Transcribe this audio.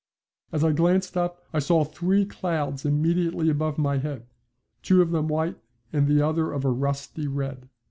As I glanced up I saw three clouds immediately above my head, two of them white and the other of a rusty red.